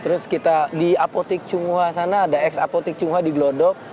terus kita di apotik cunguha sana ada x apotik cunguha di glodok